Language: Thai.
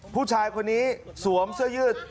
ผู้ชายคนนี้สวมเสื้อยืด